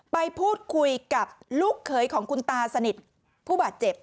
ไปพูดคุยกับลูกเขยของคุณตาสนิทผู้บาดเจ็บ